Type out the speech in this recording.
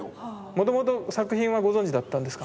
もともと作品はご存じだったんですか？